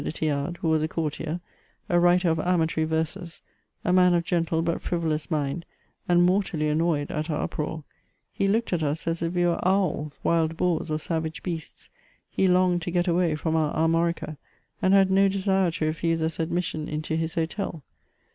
de Thiard, who was a courtier, a writer of amatory verses, a man of gentle but frivolous mind, and mortally annoyed &t our uproar: he looked at us as if we were owls, wild boars, or savage beasts ; he longed to get away from our Amiorica, and had no desire to refuse us admission into his hotel.